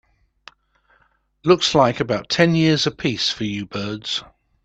Looks like about ten years a piece for you birds.